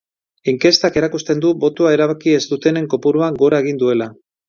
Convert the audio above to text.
Inkestak erakusten du botoa erabaki ez dutenen kopuruak gora egin duela.